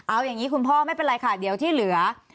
เอาอย่างนี้คุณพ่อไม่เป็นไรค่ะเดี๋ยวที่เหลือ